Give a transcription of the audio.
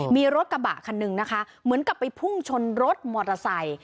มีรถกระบะคันหนึ่งนะคะเหมือนกับไปพุ่งชนรถมอเตอร์ไซค์